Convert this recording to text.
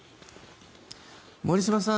森嶋さん